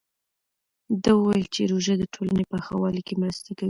ده وویل چې روژه د ټولنې په ښه والي مرسته کوي.